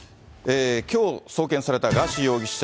きょう送検されたガーシー容疑者。